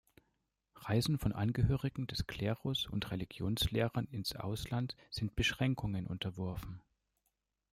Reisen von Angehörigen des Klerus und Religionslehrern ins Ausland sind Beschränkungen unterworfen.